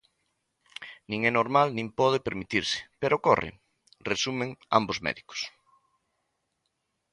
"Nin é normal nin pode permitirse, pero ocorre", resumen ambos médicos.